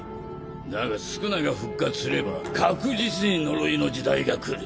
だが宿儺が復活すれば確実に呪いの時代が来る。